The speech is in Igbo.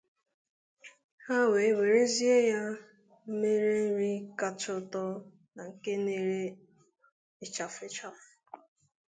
Ha wee werezie ya mere nri kacha ụtọ na nke na-eghe ịchafụ ịchafụ.